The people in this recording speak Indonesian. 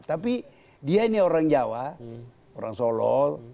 tapi dia ini orang jawa orang solo